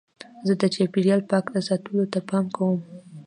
زه د چاپېریال پاک ساتلو ته پام کوم.